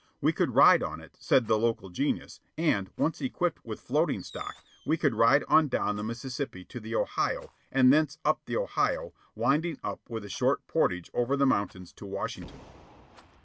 We could ride on it, said the local genius; and, once equipped with floating stock, we could ride on down the Mississippi to the Ohio, and thence up the Ohio, winding up with a short portage over the mountains to Washington.